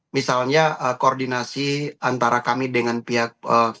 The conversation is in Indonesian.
misalnya koordinasi antara kami dengan pihak